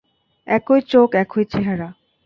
একই চোখ একই চেহারা।